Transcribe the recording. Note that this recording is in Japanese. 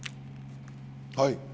はい。